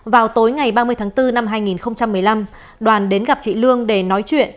vào tối ngày ba mươi tháng bốn năm hai nghìn một mươi năm đoàn đến gặp chị lương để nói chuyện